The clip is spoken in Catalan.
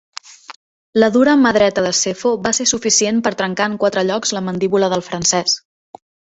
La dura mà dreta de Sefo va ser suficient per trencar en quatre llocs la mandíbula del francès.